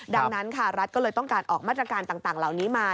ดังนั้นค่ะรัฐก็เลยต้องการออกมาตรการต่างเหล่านี้มา